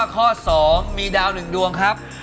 ข้อ๒มีดาว๑ดวงครับ